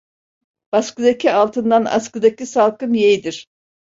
Baskıdaki altından askıdaki salkım yeğdir.